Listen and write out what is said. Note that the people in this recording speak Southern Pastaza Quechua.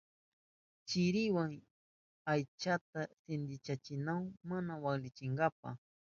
Chiriwa aychata sinchiyachinahun mana waklinanpa.